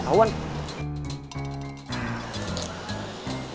gue gak boleh sampe ketauan